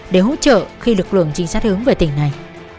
để hỗ trợ khi lực lượng trinh sát hướng về tỉnh này